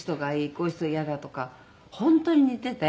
こういう人嫌だとか本当に似ていて。